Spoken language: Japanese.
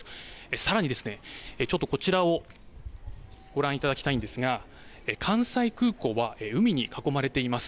さらに、ちょっとこちらをご覧いただきたいんですが関西空港は海に囲まれています。